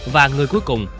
và người cuối cùng